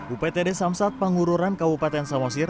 uptd samsat pangururan kabupaten samosir